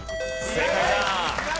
正解。